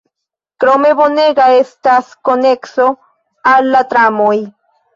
Krome bonega estas konekso al la tramoj.